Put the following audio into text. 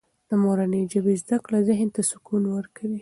د مورنۍ ژبې زده کړه ذهن ته سکون ورکوي.